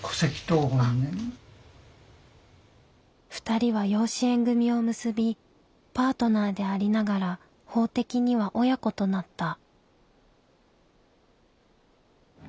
２人は養子縁組を結びパートナーでありながら法的には親子となった。